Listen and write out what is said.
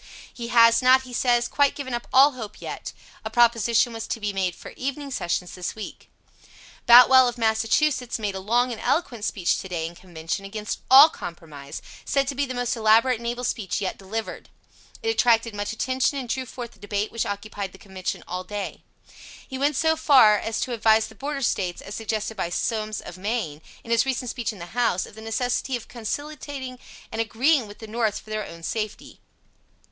He has not, he says, quite given up all hope yet. A proposition was to be made for evening sessions this week. Boutwell, of Massachusetts, made a long and eloquent speech, to day, in Convention, against all compromise, said to be the most elaborate and able speech yet delivered. It attracted much attention and drew forth the debate which occupied the Convention all day. He went so far as to advise the Border States, as suggested by Somes, of Maine, in his recent speech in the House, of the necessity of conciliating and agreeing with the North for their own safety.